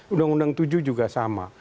undang undang tujuh juga sama